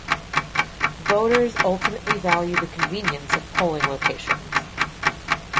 Voters ultimately value the convenience of polling locations.